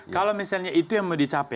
kalau misalnya itu yang mau dicapai